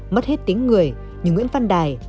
mất hết tính người như nguyễn văn đài